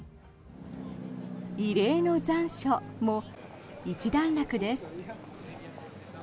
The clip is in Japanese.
異例の残暑も一段落です。